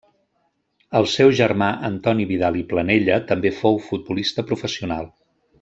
El seu germà Antoni Vidal i Planella també fou futbolista professional.